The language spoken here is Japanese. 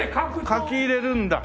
書き入れるんだ。